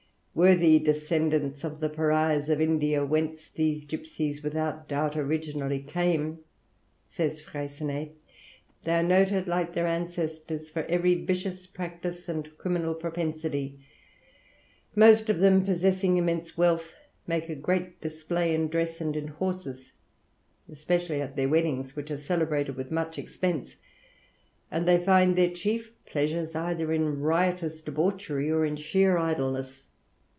"Worthy descendants of the Pariahs of India, whence these gipsies without doubt originally came," says Freycinet, "they are noted like their ancestors for every vicious practice and criminal propensity. Most of them, possessing immense wealth, make a great display in dress and in horses, especially at their weddings, which are celebrated with much expense; and they find their chief pleasure either in riotous debauchery or in sheer idleness.